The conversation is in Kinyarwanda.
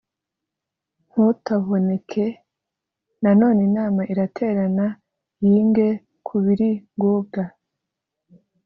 Ntutaboneke na none inama iraterana yinge kubiri ngobwa